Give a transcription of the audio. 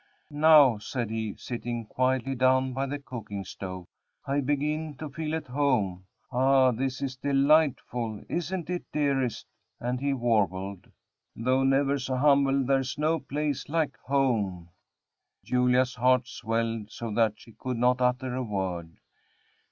"Now," said he, sitting quietly down by the cooking stove, "I begin to feel at home. Ah! this is delightful, isn't it, dearest?" and he warbled, "Though never so humble, there's no place like home." Julia's heart swelled so that she could not utter a word.